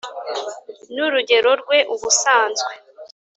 nu rugero rwe ubusanzwe,